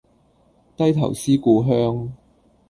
低頭思故鄉